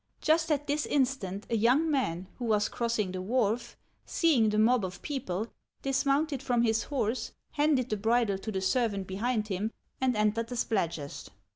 Just at this instant, a young man who was crossing the wharf, seeing the mob of people, dismounted from his horse, handed the bridle to the servant behind him, and entered the Spladgest.